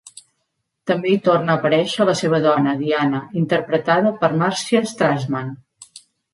També hi torna a aparèixer la seva dona, Diana, interpretada per Marcia Strassman.